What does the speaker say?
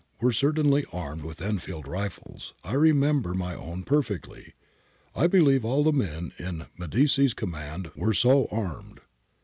65, 85 above] were certainly armed with Enfield rifles, I remember my own perfectly. / believe all the vien in Medici's coinin and were so armed.